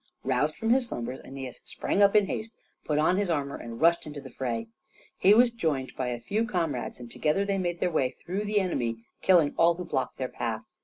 Roused from his slumbers Æneas sprang up in haste, put on his armor and rushed into the fray. He was joined by a few comrades, and together they made their way through the enemy, killing all who blocked their path.